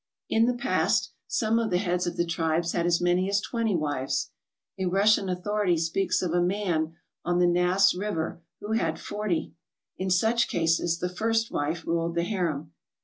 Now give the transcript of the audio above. In the past some of the heads of the tribes had as many as twenty wives. A Russian au thority speaks of a man on the Nass River who had forty. In such cases the first wife ruled the harem.